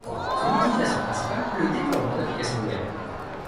Son utilisation principale est le déploiement d'applications web.